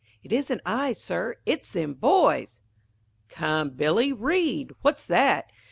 It isn't I, Sir, it's them boys. Come, Billy, read What's that?